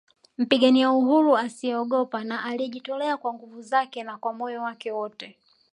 Mpigania uhuru asiyeogopa na aliyejitolea kwa nguvu zake na kwa moyo wake wote